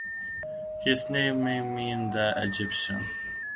His name may mean the Egyptian.